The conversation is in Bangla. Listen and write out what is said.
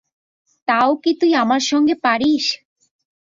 তা কি তুই আমার সঙ্গে পারিস?